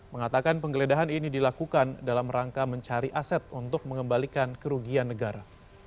mengatakan penggeledahan ini dilakukan dalam rangka mencari aset untuk mengembalikan kerugian negara